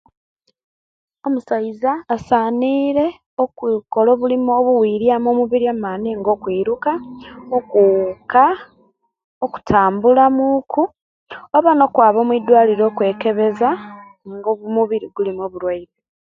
Omusaiza asanire okukola obulimu obwiriam omubiri amani nga okwiruka, okuwuka okutambula muku oba nokwaba mwidwaliro okwekebezia nga omubiri gulimu oburwaire